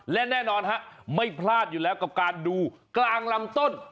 และแน่นอนฮะไม่พลาดอยู่แล้วกับการดูกลางลำต้น